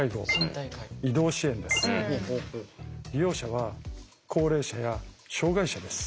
利用者は高齢者や障害者です。